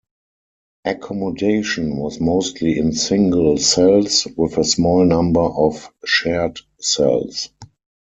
Accommodation was mostly in single cells, with a small number of shared cells.